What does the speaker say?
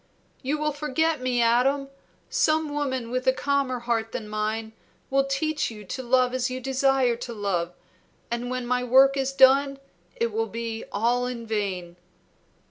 "You will forget me, Adam. Some woman with a calmer heart than mine will teach you to love as you desire to love, and when my work is done it will be all in vain."